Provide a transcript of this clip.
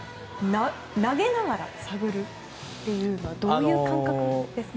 投げながら探るというのはどういう感覚ですか？